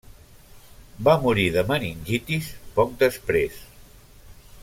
Va morir de meningitis poc després.